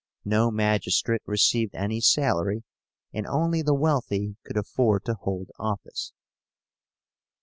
No magistrate received any salary, and only the wealthy could afford to hold office.